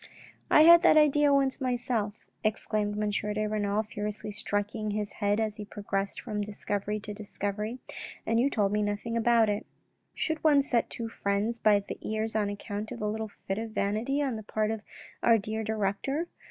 "I had that idea once myself," exclaimed M. de Renal, furiously striking his head as he progressed from discovery to discovery, " and you told me nothing about it." " Should one set two friends by the ears on account of a little fit of vanity on the part of our dear director